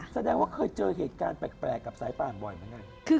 แสดงว่าเคยเจอเหตุการณ์แปลกกับสายป่านบ่อยเหมือนกัน